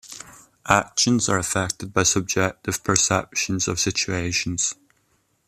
Actions are affected by subjective perceptions of situations.